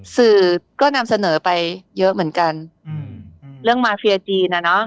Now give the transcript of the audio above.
สื่อก็นำเสนอไปเยอะเหมือนกันอืมเรื่องมาเฟียจีนอ่ะเนอะ